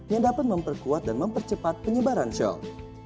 yang dapat memperkuat dan mempercepat penyebaran show